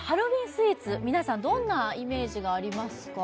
スイーツ皆さんどんなイメージがありますか？